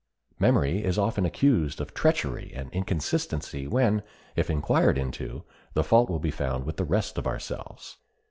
Memory is often accused of treachery and inconstancy, when, if inquired into, the fault will be found to rest with ourselves.